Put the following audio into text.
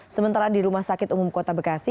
sementara di rumah sakit umum kota bekasi